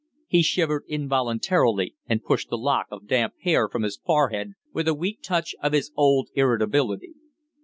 He shivered involuntarily and pushed the lock of damp hair from his forehead with a weak touch of his old irritability.